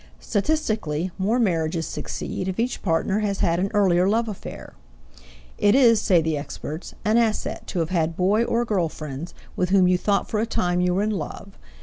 Statistically, more marriages succeed if each partner has had an earlier love affair. It is, say the experts, an asset to have had boy or girl friends with whom you thought for a time you were in love.